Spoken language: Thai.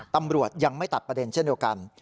ตำรวจยังไม่ตัดประเด็นเช่นเดียวกัน